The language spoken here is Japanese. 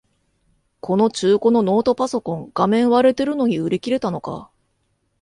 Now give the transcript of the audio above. この中古のノートパソコン、画面割れてるのに売り切れたのか